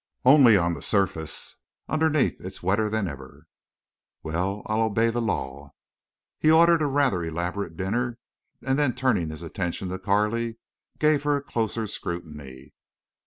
"Only on the surface. Underneath it's wetter than ever." "Well, I'll obey the law." He ordered a rather elaborate dinner, and then turning his attention to Carley, gave her closer scrutiny.